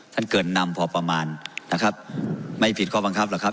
เกินนำพอประมาณนะครับไม่ผิดข้อบังคับหรอกครับ